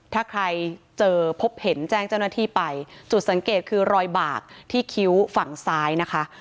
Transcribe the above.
ถ้าใครเจอพบเห็นแจ้งเจ้าหน้าที่ไปจุดสังเกตคือรอยบากที่คิ้วฝั่งซ้ายนะคะ